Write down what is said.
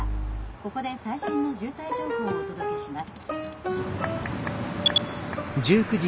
ここで最新の渋滞情報をお届けします」。